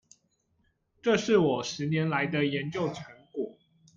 這是我十年來的研究成果